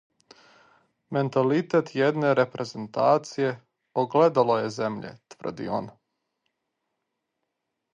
Менталитет једне репрезентације огледало је земље, тврди он.